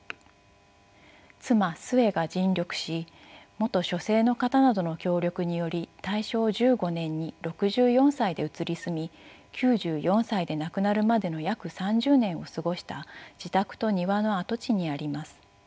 妻壽衛が尽力し元書生の方などの協力により大正１５年に６４歳で移り住み９４歳で亡くなるまでの約３０年を過ごした自宅と庭の跡地にあります。